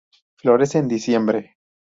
Florece en diciembre.